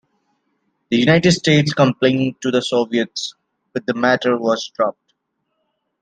The United States complained to the Soviets, but the matter was dropped.